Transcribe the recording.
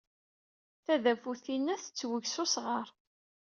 Tadabut-inna tettweg s usɣar.